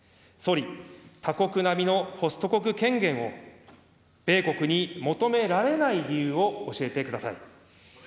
総理、他国並みのホスト国権限を米国に求められない理由を教えてください。